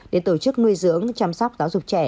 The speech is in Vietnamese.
để tổ chức nuôi dưỡng chăm sóc giáo dục trẻ